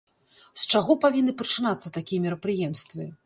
З чаго павінны пачынацца такія мерапрыемствы?